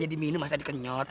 ya diminum masa dikenyot